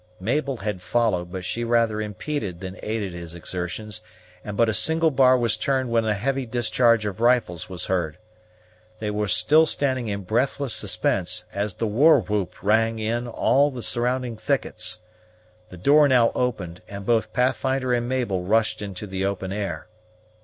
Mabel had followed, but she rather impeded than aided his exertions, and but a single bar was turned when a heavy discharge of rifles was heard. They were still standing in breathless suspense, as the war whoop rang in all the surrounding thickets. The door now opened, and both Pathfinder and Mabel rushed into the open air.